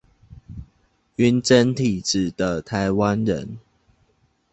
暈針體質的台灣人